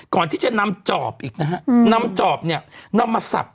ก่อนที่จะนำจอบอีกนะฮะนำจอบเนี่ยนำมาสับ